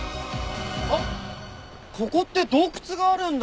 あっここって洞窟があるんだ。